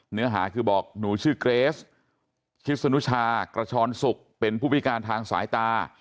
เนื้อหาคือบอกหนูชื่อเกรสชิสนุชากระชอนสุกเป็นผู้พิการทางสายตา